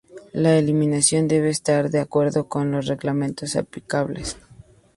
La eliminación debe estar de acuerdo con los reglamentos aplicables.